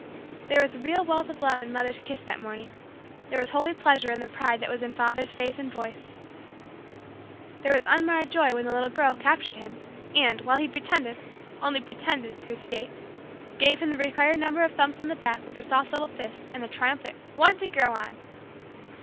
There was real wealth of love in mother's kiss that morning. There was holy pleasure in the pride that was in father's face and voice. There was unmarred joy when the little girl captured him and, while he pretended only pretended to escape, gave him the required number of thumps on the back with her soft little fist and the triumphant "one to grow on."